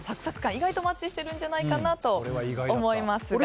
意外とマッチしてるんじゃないかなと思いますが。